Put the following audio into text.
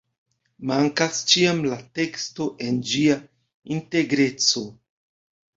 Mankas ĉiam la teksto en ĝia integreco.